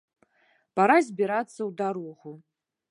Пара збірацца ў дарогу!